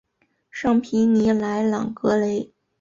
尚皮尼莱朗格雷。